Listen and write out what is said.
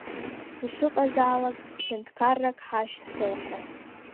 Ишыҟазааалак, ҳәынҭқаррак ҳашьцылахьан.